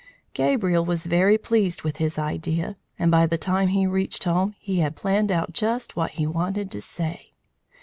Gabriel was very pleased with his idea, and by the time he reached home, he had planned out just what he wanted to say.